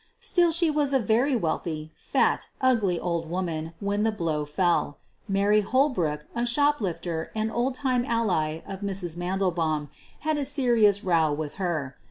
Still she was a very wealthy, fat, ugly old woman when the blow fell. Mary Holbrook, a shoplifter and old time ally of Mrs. Mandelbaum, had a serious row with her.